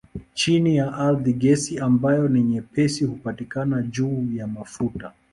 Chini ya ardhi gesi ambayo ni nyepesi hupatikana juu ya mafuta.